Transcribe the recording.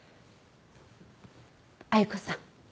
亜由子さん。